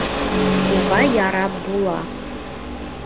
Уға ярап була.